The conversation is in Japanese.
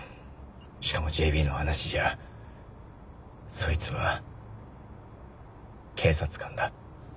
しかもＪＢの話じゃそいつは警察官だ。